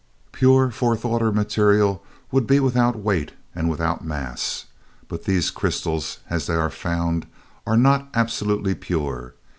Pure fourth order material would be without weight and without mass; but these crystals as they are found are not absolutely pure.